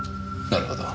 なるほど。